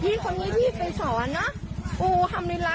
พี่นี้ที่ไปสอนเนอะ